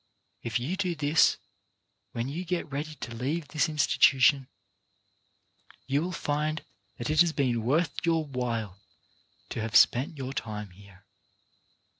If you do this, when you get ready to leave this institution, you will find that it has been worth your while to have spent your time here.